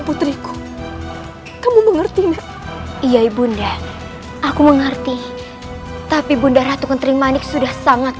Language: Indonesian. putriku kamu mengerti iya ibunda aku mengerti tapi bunda ratu kentri manik sudah sangat